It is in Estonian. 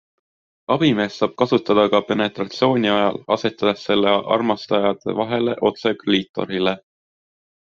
Abimeest saab kasutada ka penetratsiooni ajal asetades selle armastajate vahele otse kliitorile.